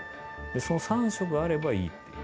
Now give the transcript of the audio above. その３色あればいいっていう。